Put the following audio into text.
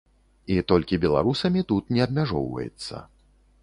І толькі беларусамі тут не абмяжоўваецца.